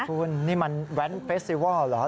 คุณนี่มันแว้นเฟสเซีวอลหรือว่า